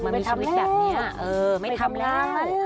มันเป็นชีวิตแบบนี้ไม่ทำแล้ว